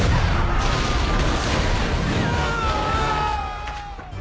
うわ！